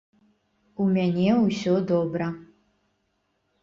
У мяне ўсё добра.